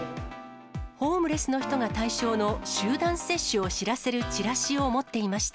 ホームレスの人が対象の集団接種を知らせるチラシを持っていました。